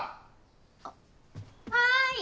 あっはーい。